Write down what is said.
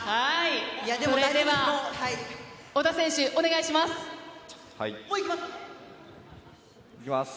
それでは小田選手、お願いしもういきます？